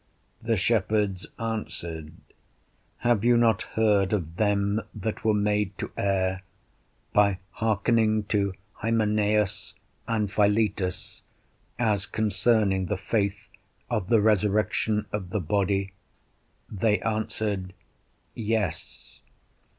The shepherds answered, Have you not heard of them that were made to err, by hearkening to Hymeneus and Philetus, as concerning the faith of the resurrection of the body? They answered, Yes.